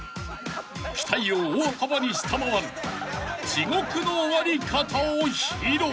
［期待を大幅に下回る地獄の終わり方を披露］